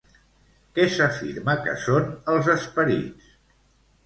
Què s'afirma que són, els esperits?